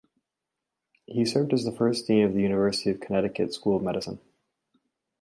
He served as the first dean of the University of Connecticut School of Medicine.